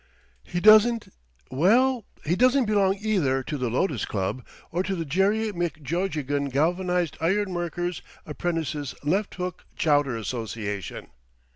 He doesn't—well, he doesn't belong either to the Lotos Club or to the Jerry McGeogheghan Galvanised Iron Workers' Apprentices' Left Hook Chowder Association.